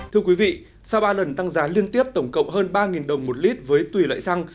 thưa quý vị sau ba lần tăng giá liên tiếp tổng cộng hơn ba đồng một lít với tùy loại xăng